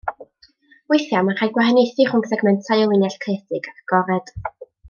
Weithiau mae'n rhaid gwahaniaethu rhwng segmentau o linell caeedig ac agored.